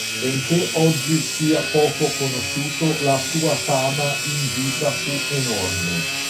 Benché oggi sia poco conosciuto, la sua fama in vita fu enorme.